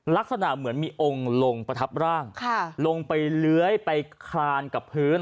ลักษณะเหมือนมีองค์ลงประทับร่างลงไปเลื้อยไปคลานกับพื้น